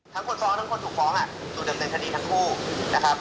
คนฟ้องทั้งคนถูกฟ้องถูกดำเนินคดีทั้งคู่นะครับ